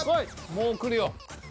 もうくるよ。